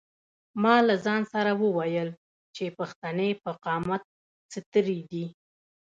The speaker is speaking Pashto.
ما له ځان سره وویل چې پښتنې په قامت سترې دي.